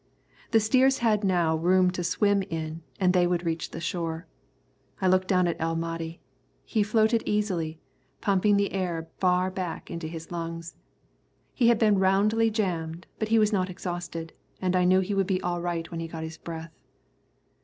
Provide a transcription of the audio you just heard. The steers had now room to swim in, and they would reach the shore. I looked down at El Mahdi. He floated easily, pumping the air far back into his big lungs. He had been roundly jammed, but he was not exhausted, and I knew he would be all right when he got his breath.